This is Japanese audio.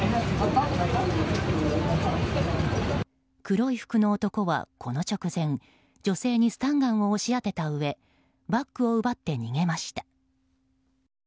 黒い服の男はこの直前、女性にスタンガンを押し当てたうえバッグを奪って逃げました。